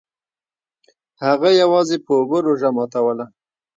هغه یوازې په اوبو روژه ماتوله.